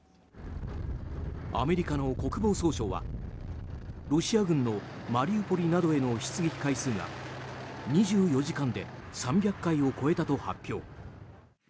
アメリカの国防総省はロシア軍のマリウポリなどへの出撃回数が２４時間で３００回を超えたと発表。